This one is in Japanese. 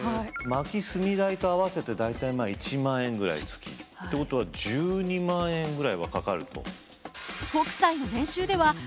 薪・炭代と合わせて大体１万円ぐらい月。ってことは１２万円ぐらいはかかると。